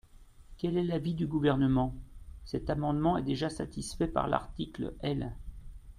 Quel est l’avis du Gouvernement ? Cet amendement est déjà satisfait par l’article L.